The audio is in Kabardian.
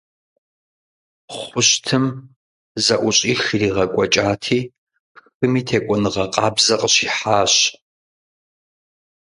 Хъущтым зэӏущӏих иригъэкӏуэкӏати, хыми текӏуэныгъэ къабзэ къыщихьащ.